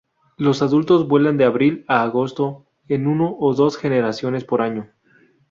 Los adultos vuelan de abril a agosto en uno o dos generaciones por año.